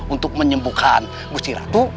untuk menyembuhkan gusti ratu